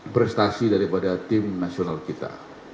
prestasi daripada tim nasional kita